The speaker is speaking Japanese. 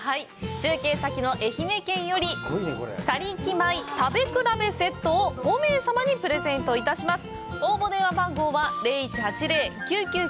中継先の愛媛県より、「田力米食べくらべセット」を５名様にプレゼントします。